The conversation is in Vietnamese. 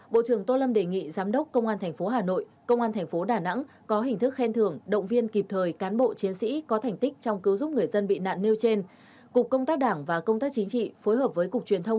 bộ trưởng tô lâm đề nghị giám đốc công an thành phố hà nội công an thành phố đà nẵng